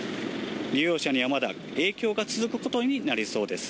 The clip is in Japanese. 利用者にはまだ影響が続くことになりそうです。